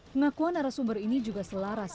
pengakuan arah sumber ini juga selaras